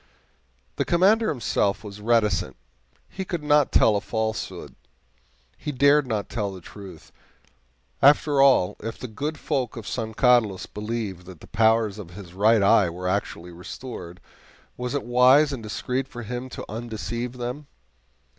The Commander himself was reticent; he could not tell a falsehood he dared not tell the truth. After all, if the good folk of San Carlos believed that the powers of his right eye were actually restored, was it wise and discreet for him to undeceive them?